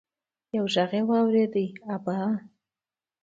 يو غږ يې واورېد: ابا!